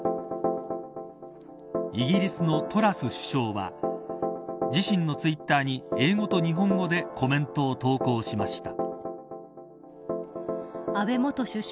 イギリスのトラス首相は自身のツイッターに英語と日本語でコメントを投稿しました。